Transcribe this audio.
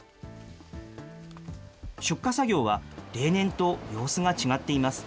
出荷作業は、例年と様子が違っています。